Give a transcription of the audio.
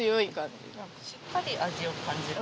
しっかり味を感じる。